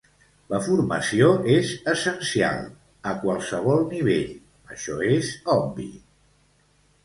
La formació és essencial, a qualsevol nivell, això és obvi.